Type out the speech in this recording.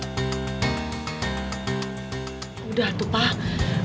ya udah tuh pak